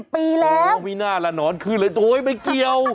กว่า๕๐ปีแล้วโอ้โฮมีหน้าแล้วนอนขึ้นเลยโอ๊ยไม่เกี่ยว